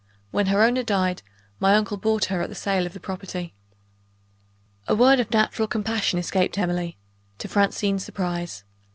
When her owner died, my uncle bought her at the sale of the property." A word of natural compassion escaped Emily to Francine's surprise.